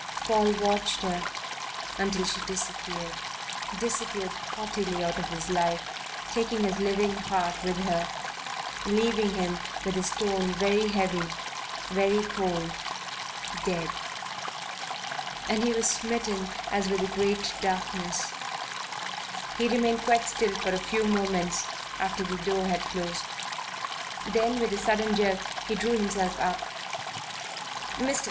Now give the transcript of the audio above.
Paul watched her until she disappeared disappeared haughtily out of his life, taking his living heart with her, leaving him with a stone very heavy, very cold, dead. And he was smitten as with a great darkness. He remained quite still for a few moments after the door had closed, then with a sudden jerk he drew himself up. "Mr.